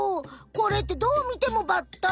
これってどう見てもバッタ。